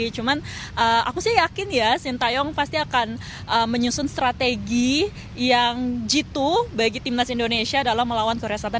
cuman aku sih yakin ya sintayong pasti akan menyusun strategi yang jitu bagi timnas indonesia dalam melawan korea selatan